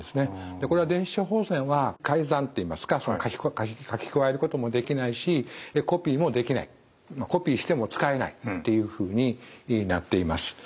これは電子処方箋は改ざんといいますか書き加えることもできないしコピーもできないコピーしても使えないというふうになっています。